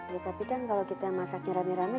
ya tapi kan kalau kita masaknya rame rame